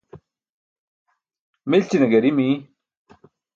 Milćine gari miy.